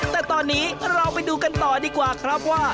แต่ตอนนี้เราไปดูกันต่อดีกว่าครับว่า